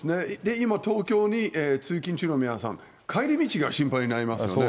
今、東京に通勤中の皆さん、帰り道が心配になりますよね。